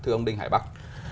thưa ông đinh hải bắc